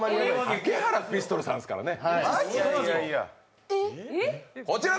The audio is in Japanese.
竹原ピストルさんですからね。